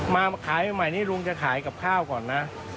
มาขายใหม่นี่ลุงจะขายกับข้าวก่อนนะ